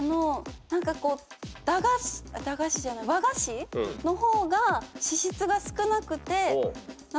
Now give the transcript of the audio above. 何かこう駄菓子じゃない和菓子の方が脂質が少なくて。